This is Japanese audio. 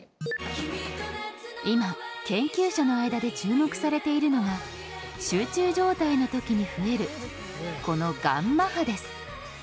今研究者の間で注目されているのが集中状態の時に増えるこのγ波です。